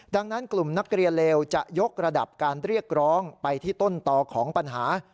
ดังนั้นกลุ่มนักเรียนเลวจะยกระดับการเรียกร้องไปที่ต้นต่อของปัญหา